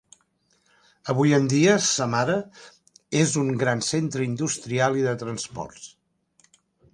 Avui en dia, Samara és un gran centre industrial i de transports.